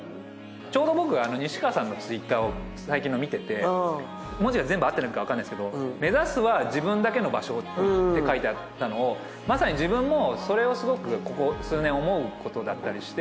ちょうど僕が西川さんのツイッターを最近の見てて文字が全部合ってるのかわかんないですけど目指すは自分だけの場所って書いてあったのをまさに自分もそれをすごくここ数年思うことだったりして。